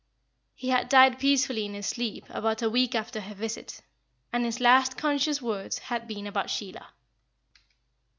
He had died peacefully in his sleep about a week after her visit, and his last conscious words had been about Sheila.